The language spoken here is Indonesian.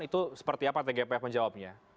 itu seperti apa tgpf menjawabnya